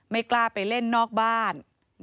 ไม่กล้าไปเล่นนอกบ้าน